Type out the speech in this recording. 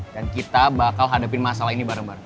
dan kita bakal hadepin masalah ini bareng bareng